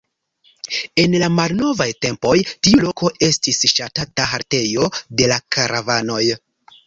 En la malnovaj tempoj tiu loko estis ŝatata haltejo de la karavanoj.